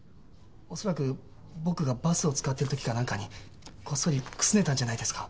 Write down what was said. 恐らく僕がバスを使ってるときにこっそりくすねたんじゃないですか？